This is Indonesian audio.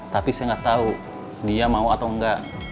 tapi saya nggak tahu dia mau atau enggak